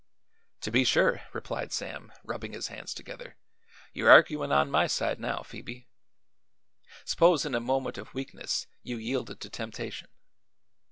"To be sure!" replied Sam, rubbing his hands together; "you're arguin' on my side now, Phoebe. S'pose in a moment of weakness you yielded to temptation?